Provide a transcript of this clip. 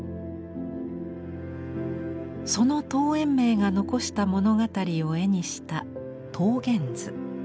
その陶淵明が残した物語を絵にした「桃源図」。